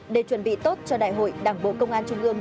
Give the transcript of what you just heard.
để chuẩn bị tốt cho đại hội đảng bộ công an trung ương